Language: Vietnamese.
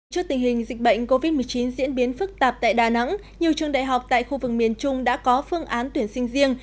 trước tình hình dịch bệnh covid một mươi chín diễn biến phức tạp tại đà nẵng nhiều trường đại học tại khu vực miền trung đã có phương án tuyển sinh riêng